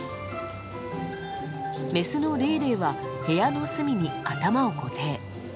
メスのレイレイは部屋の隅に頭を固定。